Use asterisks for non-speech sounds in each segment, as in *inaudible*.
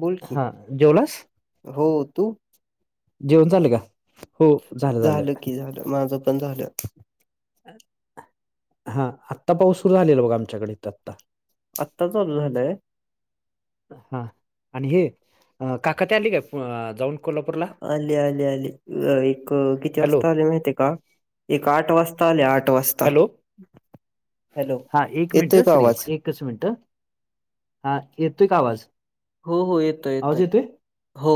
बोल कि हा जेवलास? हो तू जेवण झालं का? झालं की झालं माझं पण झालं. हा आत्ता पाऊस सुरू झालेला बघा आमच्याकडं इथं आत्ता आत्ता चालू झालाय. हा आणि हे काका ते आली काय जाऊन कोल्हापूरला? आले आले आले एक किती हॅलो वाजता आले माहिती का एक आठ वाज ता आठ वाजता हॅलो हॅलो हा एक मिनिट येतोय का सुदै आवाज एकच मिनिटं हा येतोय का आवाज हो हो येतोय आवाज येतोय? हो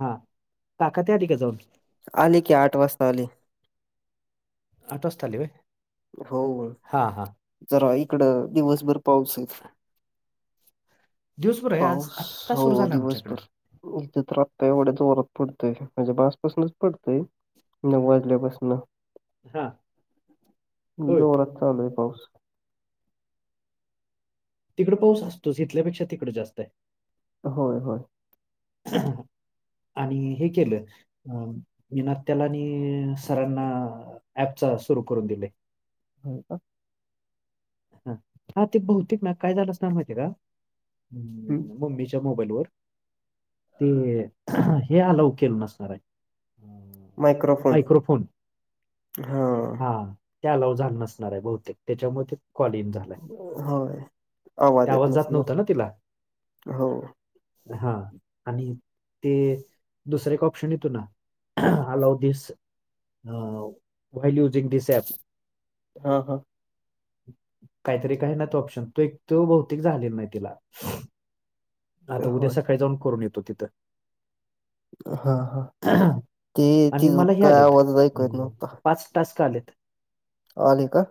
हा काका ति आली का जाऊन आली की आठ वाजता आली. आठ वाजता आली व्हय. हो हा हा जरा इकड दिवसभर पाऊस आहे. दिवसभर आहे आज पाऊस आत्ता सुरू हो झाला आमच्याकडं दिवसभर. इथ तर आत्ता एवढ्या जोरात पडतय म्हझ्या बासपासूनच पडतंय. न वाजले बस नाही. हा. होय जवळात चालू आहे पाऊस. तिकड पाऊस असतोच इथल्यापेक्षा तिकडं जास्त आहे. होय होय. आणि हे केलं. अ मी नात्याला आणि सरांना ऍपचा सुरू करून दिले. हो का '. ह हा ते बौतेिक ना काय झालं असणार माहितीय का. हम्म. हम् मम्मीच्या मोबाईल वर ते हे आलाऊ केल नसणार आहे. मायक्रोफोन हा. त्यालाव जाण नसणार आहे बहुतेक त्याच्यामध्ये. क्लिन झालाय होय आवाज येत त्यावज जात नव्हत नसणार ना तिला. हो हा आणि ते दुसर एक ऑप्शन येतो ना. Allow this while using this app. हा हा. काहीतरी काही ना तो ऑप्शन तू एक तू भौतिक झाले नाही तिला. आता उद्या होय सकाळी जाऊन करून येतो तिथं. हा हा ते ति आणि मला हे काय आलेत. आवाज ऐकू येत नव्हता पाच टस्का आलेत. आले का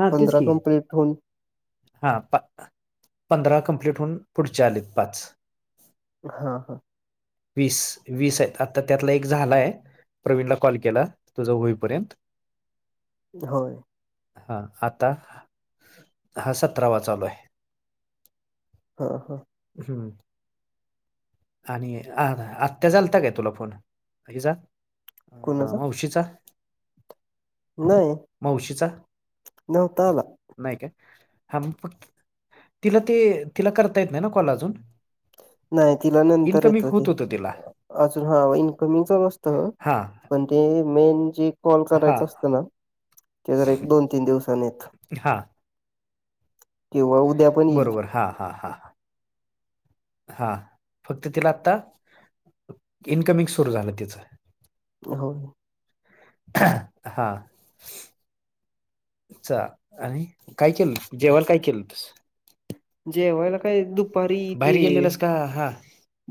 हा तेच पंधरा की कं्प्लीट होऊन. हा पंधरा कंप्लीट होऊन पुढचे आलेत पाच. हा हा. वीस वीस आहेत आता त्यातला एक झालाय. प्रवीणला कॉल केला तुझा होईपर्यंत. होय. हा आता. हा सतरावा चालू आहे. हा हा. हम्म! आणि आ आत्ता झालता काय तुला फोन जा. अ कोणाचा मग उशीचा. नाही मावशीचा. नव्हता आला नाही काय हा मग फक् तिला ते तिला करता येत नाय ना कॉल अजून. नाही तिला नंतर इनकमिंग येतं होत ते होतं तिला अजून हा इन्कमिंग चालू असत हा पण. ते मेन जे कॉल हा करायच असत ना ते जरा एक दोन तीन दिवसानी येत हा किंवा उद्या पण येईल बरोबर हा हा ह हाहा फक्त तिला आता इन्कमिंग सुरु झालं तिचं. हो नं हा. चा अरे काय केलं जेवाल काय केलंतस. जेवायला काय दुपारी बाहेर ते गेलेलंस का हा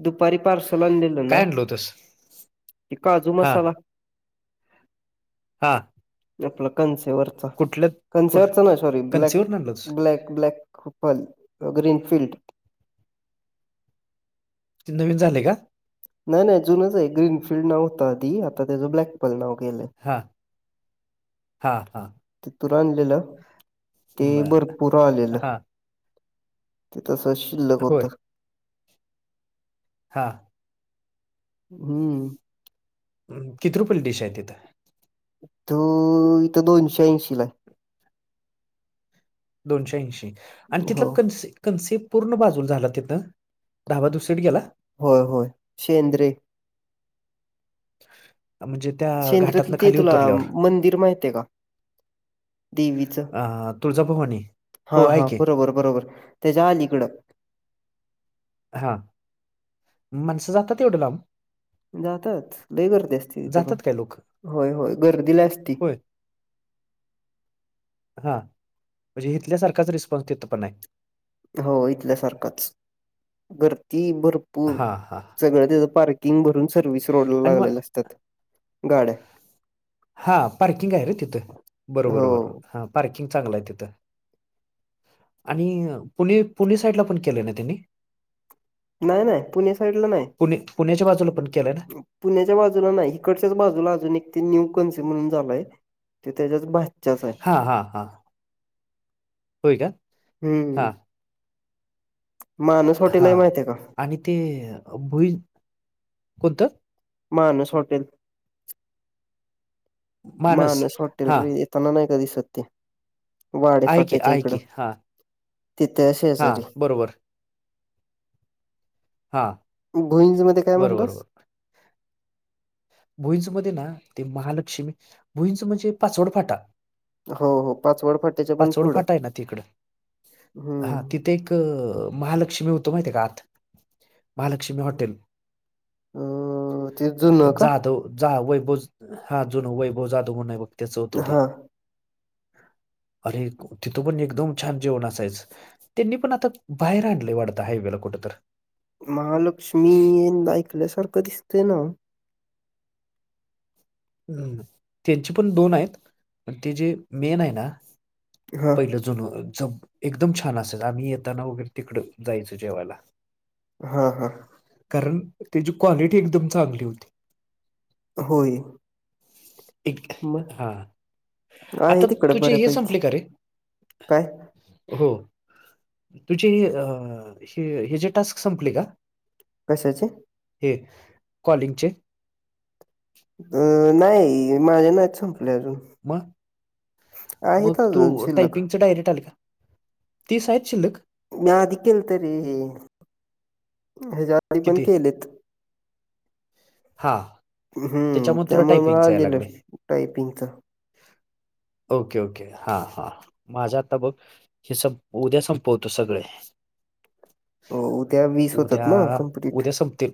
दुपारी पार्सल आणलेलं काय ना आणलं होतस ते काजू हा मसाला हां आपलं कनसेवरचा कुठ कनसेवरचा ना सॉरी ब्लॅक कन्सिवरून आणलं होतस ब्लॅक ब्लॅक खुपल ग्रीनफील्ड ते नवीन झालय का? नाय नाय जुनच आहे ग्रीनफील्ड नाव होत आधी आता त्या ब्लॅक पल नाव केलंय हा हा हा तिथून आणलेला ते बर भरपूर आलेलं हा ते तस शिल्लक होय होत. हां हम्म हं किती रुपयाला डिश आहे तिथं इथं इथं दोनशे ऐंशी ला दोनशे ऐंशी आणि तिथला हो कन्सी कन्सेप पूर्ण बाजूला झाला तिथं डाबा दुसरिकडं गेला. होय होय शेंद्रे म्हणजे त्या शेंद्रातलं घाटातनं ते खाली तुला उतरल्यावर मंदिर माहित आहे का देवी ' चं अं, तुळजाभवानी हो हा आहे हा की बरोबर बरोबर त्याच्या अलीकडं मं हा माणसं जातात येवढं लांब जातात लय गर्दी असते तिथं पण जातात काय लोक होय होय गर्दी लय असती. होय हा म्हणजे इथल्यासारखाच रिस्पॉन्स तिथं पण हाय हो इथल्यासारखंच गर्दी भरपूर हां, हां. सगळं तिद पार्किंग भरून सर्विस रोड ला आणि मग लागलेला असतात गाड्या हा पार्किंग आहे रे तिथं बरोबर हो बरोबर हा पार्किंग चांगलं आहे तिथं आणि पुणे पुणे साईडला पण केलय ना त्यांनी नाय नाय पुणे साईडला नाय पुणे पुण्याच्या बाजूला पण केल्याय नं पुण्याच्या बाजूला नाही इकडच्याच बाजूला अजून एक ते न्यू कन्सी म्हणून झालय ते त्याच्याच भाच च्याच हाय हां, हां, हां. होय का? हम्म हां, माणस हॉटेल हाय हां. माहित आहे का आणि ते भुई कोणतं? मानस हॉटेल मानस हॉटेल रे येताना नाय का दिसत ते वाडे आहे की, फाट्याच्या आहे की. इकडं हां, तिथे हां. शेजारी बरोबर. हां, भुईंज मध्ये काय बरोबर, म्हणलास भुईंच मध्ये ना ते महालक्ष्मी भुईंच म्हणजे पाचवड फाटा हो हो पाचवड फाट पाचवड फाटा आहे ना तिकड हा हम्म तीत ते एक महालक्ष्मी होतो माहिित का आत महालक्ष्मी हॉटेल अ ते जुनं का? जाधव जा वैभव हा जुन वैभव जाधव म्ह नाही बघ त्याचं होतं ते हां. अरे तिथं पण एकदम छान जेवण असायच त्यांनी पण आता बाहेर आणलंय वाढत हायवेला कुठ तर महालक्ष्मी ऐकल्यासारखं दिसतय ना हम् त्यांचे पण दोन आहेत प ते जे मेन आहे ना हां, पहिलं जुन ज एकदम छान असायच आम्ही येताना वगैरे तिकड जायचो जेवायला हा हा कारण त्याची क्वालिटी एकदम चांगली होती होय एक मग हा आहे आता तिकडं तुझे हे बऱ्यापैकी. संपले का रे काय हो तुझी हे जे टास्क संपले का कशाचे हे कॉलिंगचे अं नाही माझ्या नाही संपले अजून मग आहेत मग तू अजून शिल्लक. टायपिंगच डायरेक्ट आले का ती साहित शिल्क मी आधी केलं तरी हच्या आधी पण केलेत हा हम्म त्यामुळे मला आलेलं लागले टायपिंगच ओके ओके हा हा माझ्या आता बघ हे स उद्या संपवतो सगळे उद्या वीस होतात उद्या ना कंप्लीट. उद्या संपतील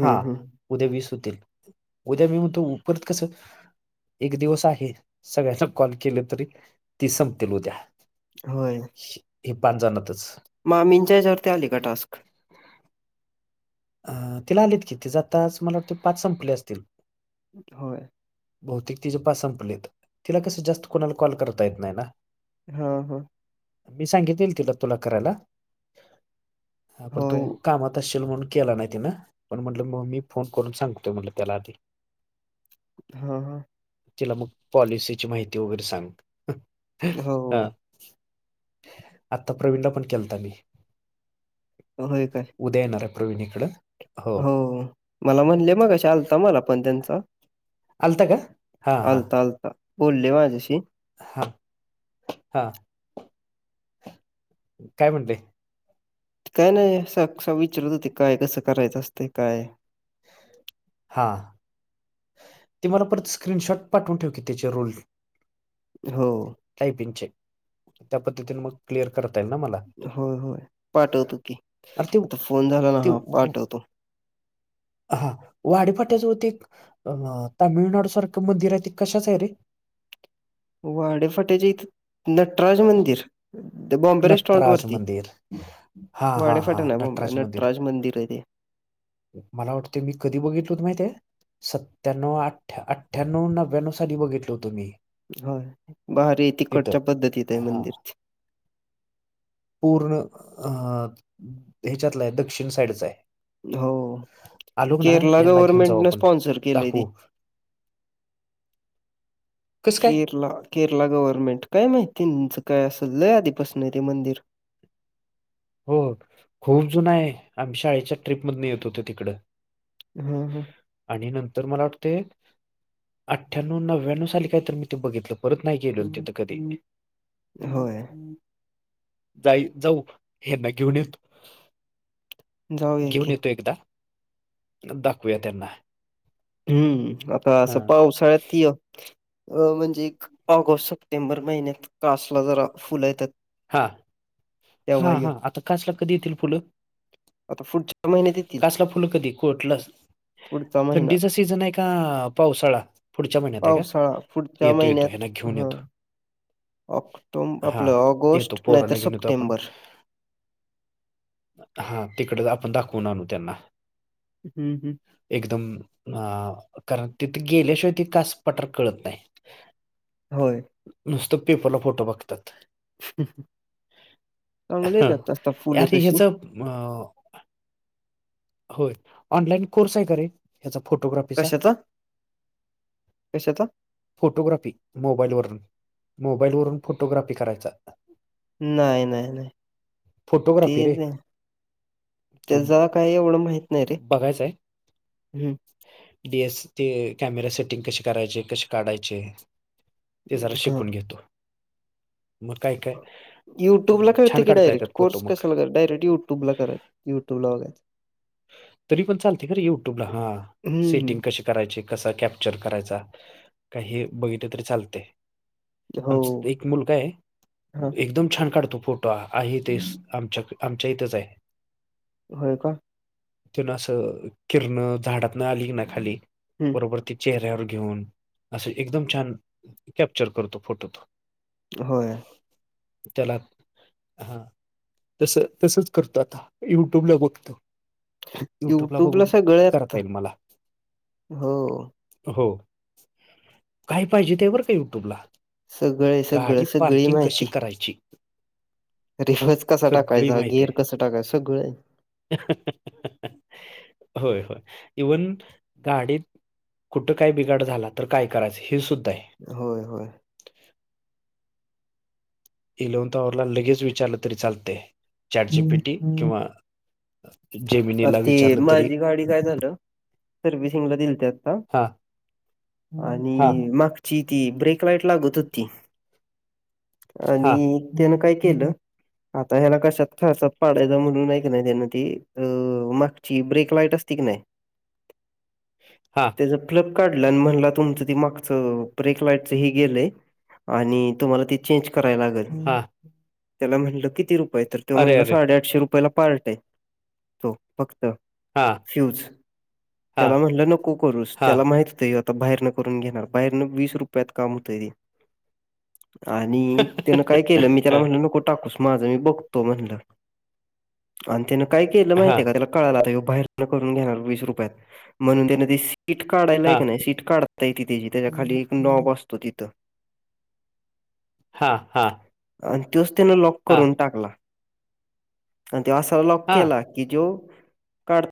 हा हं. उद्या मी सुतील उद्या मी म्हणतो उरत कसं एक दिवस आहे सगळ्यांना कॉल केलं तरी ती संपतील उद्या होय हे पाच जणतच मामींच्याच्यावर आली का टास्क अ तिला आलेत कि ते ज आताच मला वाटते पाच संपले असतील होय बहुतेक ति जे पाास संपलेत तिला कस जास्त कोणाला कॉल करता येत नाही ना हा हा मी सांगितल तिला तुला करायला पण तू होय. काम ण के नाही ना पण म्हट मग मी फोन करून सांगतो म्ह त्याला आधी हा हा तिला मग पॉलिसीची माहिती वगैरे सांग हो, ह आता प्रवीणला पण केलता मी होय काय उदयनार आहे प्रवीण इकडं हो मला म्हणले म कशा आलता मला पण त्यांच आलता का हां हां आलता आलता बोलले माझशी हां हां काय म्हणते काय नाही असं विचारत होते काय कसं करायचं असते काय हां ते मला परत स्क्रीनशॉट पाठवून ठेव की त्याचे रोल हो टयपिंगचेप म क्लिअर करतय ना मला होय होय पाठवतो की अरे ते आता फोन झाला ना हा पाठवतो. हा वाड फटाच होती. तामिळनाडूसारखं मंदिर आहे ते कशाच आहे रे. वाडेफाट्याचे इथे नटराज मंदिर. बॉम्बे रे स्टॉट नटराज वरती मंदिर हा हा हा वाडेफाट ना बॉम्बे मंदिर नटराज मंदिर आहे ते. मला वाटतं मी कधी बघितल होत माहित. सत्त्याण्णव अठ अठ्ठ्याण्णव नव्याण्णव साली बघितल होतो मी. हो बारी तिथं तििकटच्या पद्धतीत आहे हा मंदिर. पूर्ण अ ह्याच्यातलं आहे दक्षिण साईडचा आहे. हो. आलोक ना केरला यांना घेऊन जाऊ गव्हर्नमेंटनं आपण स्पॉन्सर केलंय ते. दाखवू. *inaudible* कसं काय केरला. केरला गव्हर्नमेंट काय माहिती तुचं काय असं लय आधीपासणारे मंदिर. हो खूप जुन आहे आम्ही शाळेच्या ट्रीप मधून येत होते तिकडं. हम हा. आणि नंतर मला वाटते. अठ्ठ्याण्व नव्या्णव साली काय तर मी ते बघितलं परत नाही केेले होते. तर कधी. होय, जाई जाऊ. हेना घेऊन येतो जाऊया घेऊन की. येतो एकदा. दाखवूया त्यांना. हम् हा आता पावसाळ्यात तय. अ म्हणजे ऑगस्ट सप्टेंबर महिन्यात कासला जरा फुलं येतात. हा हा तेव्हा य. हा आता काचला कधी येतील फुलं. आता पुढच्या महिन्यात येतील. कासला फुलं कधी कोटलं पुढचा महिना थंडीचा सीझन आहे.. का पावसाळा. पुढच्या महिन्यात आहे का पावसाळा पुढच्या येतो येतो महिन्यात ह्यांना घेऊन ह. येतो ऑक्टोब हा आपलं येतो ऑगस्ट नाहीतर पोरांना घेऊन येतो आपण सप्टेंबर. हा तिकडे आपण दाखवून आणू त्यांना. हम्म हम्. एकदम अ कारण तिथे गेल्याशिवाय त कास पटार कळत नाही. हो. होय. नुसतं पेपरला फोटो बघतात.. चांगले येतातता फुलं तशी. अ. होय ऑनलाइन कोर्स आहे का रे!. याचा फोटोग्राफीचा. कशाचा? कशाचा? फोटोग्राफी मोबाईल वर्ण मोबाईल वरून फोटोग्राफी करायचा. नाही नाही नाही फोटोग्राफी ते रे त्याज. काय एवढं माहिती. बघायचंय. डी एस ते कॅमेरा सेटिंग कशी करायचे कसे काढायचे.. ते जरा हा. शिकून घेतो.. मग काय काय युट्यूबला अं, कळते छान की काढता येतात डायरेक्ट फोटो कोर्स मग कशला करत डायरेक्ट युट्यूबला कराय. युट्यूब लाग आहेत. तरी पण चालतेरे युट्यूबला हा हम्म सेटिंग क. करा क कॅपचर कराय काही बघ तरी चालते.. हो आम. मुलगा आहे हा एकदम छान काढतो फोटो आहे. ते आमच्या आमच्या इथंच आहे. होय का!. तून असं किरण झाडात न आली ना खाली हम्म बरोबर ती चेहऱ्यावर घेऊन असं एकदम छान कॅप्चर करतो. फोटो तो होय त्याला हा तस तसच करतो. आता युट्यूबला बघतो. युट्यूब ला युट्यूबला बघून सगळं आता करता येईल मला हो. हो काय पाहिजे ते बर का युट्यूबला सगळे सगळं गाडी सगळी पार्किंग कशी माहिती करायची रिव्हर्स कसा सगळी टाकायचा माहिती गिअर आहे. कसं टाकायचं सगळं होय होय इव्हन गाडीत कुठं काय बिघाड झाला. तर काय करायचं हे सुुद्धा आहे होय होय इलवतावरला लगेच विचारलं तरी चालते. चाट जी पी टी किंवा अर जेमिनीला त विचारलं तरी माझी गाडी काय झालं सर्विसिंगला दिलती आता हा हा आणि माग ची ती ब्रेक लाईट लागत. हो ती हा आणि त्यान काय केलं आता ह्याला कशात ख अस पाडायचा म्हणून हाय की नाही त्यान ती अ मागची ब्रेक लाईट असती की नाही. हा त्याच *inaudible* प काढलं आणि म्हणला तुमचं ती मागचं ब्रेक लाईटच ही गेलंय आणि तुम्हाला त चेंज कराय लागेल हां त्याला म्हणलं किती रुपये तर तो अरे म्हणलं अरे साडेआठशे रुपयाला पार्ट आहे तो फक्त हा फ्यूज हा त्याला म्हटलं नको करूस हा त्याला माहित होते आता बाहेरन करून घेणार बाहेरनं वीस रुपयात काम होतय आणि त्यानं काय केलं मी त्याला म्हटलं नको टाकूस माझं मी बघ त म्हणलं आणि त्यान काय केलं माहित हा आहे का हा त्याला त्याला कळालं ह्यो बाहेर न करून घेणार वीस रुपयात म्हणून तू शीट काढायला हा तिथची त्याच्या खाली एक नॉब असतो तिथं हां हां आणि तोच त्यान लॉक करून टाकला आणि त असा लॉक हा केला की जो काढ